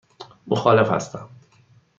مخالف هستم.